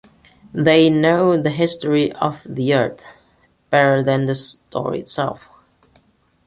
They know the history of the earth, better than the story itself.